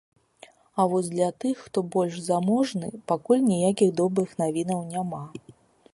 А вось для тых, хто больш заможны, пакуль ніякіх добрых навінаў няма.